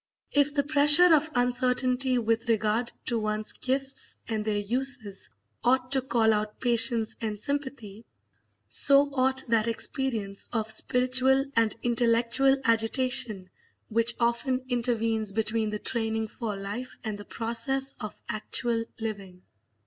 If the pressure of uncertainty with regard to one's gifts and their uses ought to call out patience and sympathy, so ought that experience of spiritual and intellectual agitation which often intervenes between the training for life and the process of actual living.